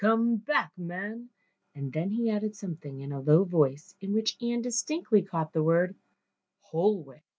Come back, man," and then he added something in a low voice in which Ian distinctly caught the word "Holwick."